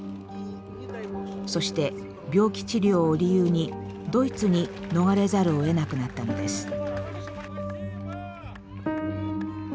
そして病気治療を理由にドイツに逃れざるをえなくなったのです。